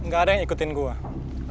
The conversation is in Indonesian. gak ada yang ikutin gue